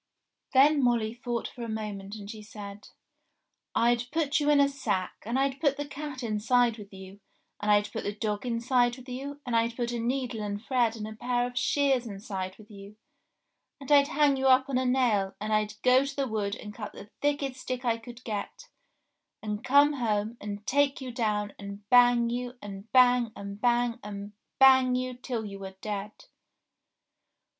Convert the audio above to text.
Then Molly thought for a moment and she said, "I'd put you in a sack, and I'd put the cat inside with you, and I'd put the dog inside with you, and I'd put a needle and thread and a pair of shears inside with you, and I'd hang you up on a nail, and I'd go to the wood and cut the thickest stick I could get, and come home and take you down and bang you, and bang, and bang, and bang you till you were dead